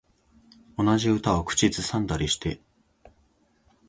同じ歌を口ずさんでたりして